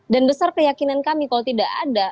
dan besar keyakinan kami kalau tidak ada